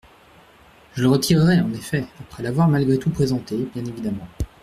Je le retirerai, en effet, après l’avoir malgré tout présenté, bien évidemment.